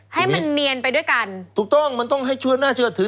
ให้มันเนียนไปด้วยกันถูกต้องมันต้องให้ชั่วน่าเชื่อถือ